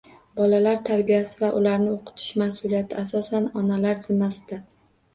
Bolalar tarbiyasi va ularni o'qitish mas'uliyati asosan onalar zimmasida.